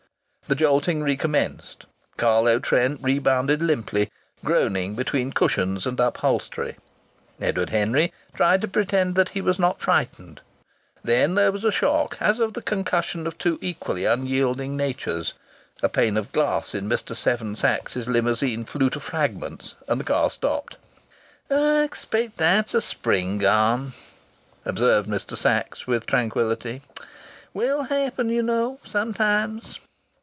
The jolting recommenced. Carlo Trent rebounded limply, groaning between cushions and upholstery. Edward Henry tried to pretend that he was not frightened. Then there was a shock as of the concussion of two equally unyielding natures. A pane of glass in Mr. Seven Sachs's limousine flew to fragments and the car stopped. "I expect that's a spring gone!" observed Mr. Sachs with tranquillity. "Will happen, you know, sometimes!"